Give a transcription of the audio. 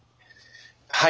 はい。